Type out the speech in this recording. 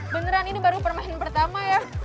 beneran ini baru permain pertama ya